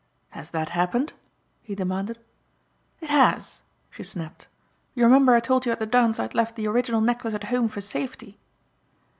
"Has that happened?" he demanded. "It has," she snapped. "You remember I told you at the dance I had left the original necklace at home for safety?"